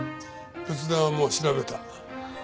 仏壇はもう調べた。